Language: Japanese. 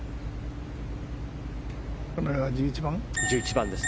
１１番です。